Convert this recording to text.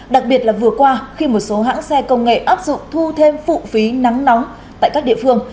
đặc biệt là vừa qua khi một số hãng xe công nghệ áp dụng thu thêm phụ phí nắng nóng tại các địa phương